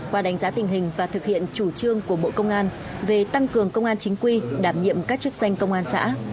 qua đánh giá tình hình và thực hiện chủ trương của bộ công an về tăng cường công an chính quy đảm nhiệm các chức danh công an xã